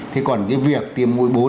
thế còn cái việc tiêm mũi bốn